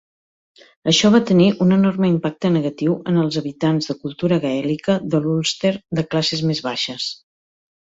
Això va tenir un enorme impacte negatiu en els habitants de cultura gaèlica de l'Ulster de classes més baixes.